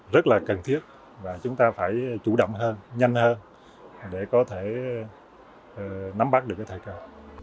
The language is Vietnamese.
rất là cần thiết và chúng ta phải chủ động hơn nhanh hơn để có thể nắm bắt được cái thời cơ